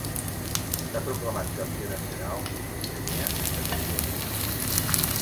S'ha proclamat campió nacional i d'Oceania en categories inferiors.